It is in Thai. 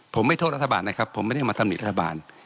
ผมไม่โทษรัฐบาลนะครับผมไม่ได้มาตำหนิรัฐบาล